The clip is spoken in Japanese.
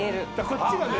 こっちがね